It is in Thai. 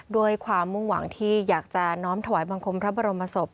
ด้วยความมุ่งหวังที่อยากจะน้อมถวายบังคมพระบรมศพ